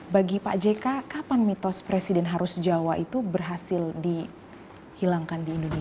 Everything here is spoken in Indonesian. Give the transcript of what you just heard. bagi pak jk kapan mitos presiden harus jawa itu berhasil dihilangkan di indonesia